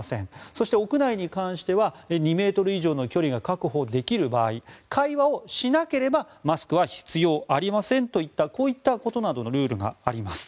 そして、屋内に関しては２ｍ以上の距離が確保できる場合会話をしなければマスクは必要ありませんといったこういったことなどのルールがあります。